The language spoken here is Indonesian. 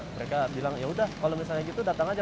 mereka bilang ya udah kalau misalnya gitu datang aja